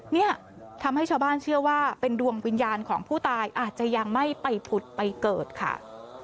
เนี่ยทำให้ชาวบ้านเชื่อว่าเป็นดวงวิญญาณของผู้ตายอาจจะยังไม่ไปผุดไปเกิดค่ะ